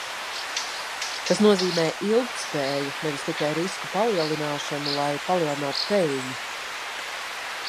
Tas nozīmē ilgtspēju, nevis tikai risku palielināšanu, lai palielinātu peļņu.